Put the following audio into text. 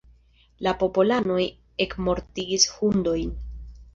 La popolanoj ekmortigis hundojn.